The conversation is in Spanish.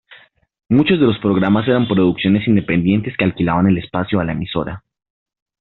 Muchos de los programas eran producciones independientes que alquilaban el espacio a la emisora.